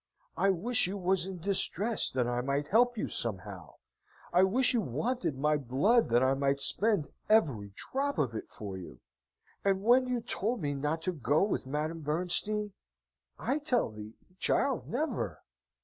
I wish you was in distress, that I might help you, somehow. I wish you wanted my blood, that I might spend every drop of it for you. And when you told me not to go with Madame Bernstein..." "I tell thee, child? never."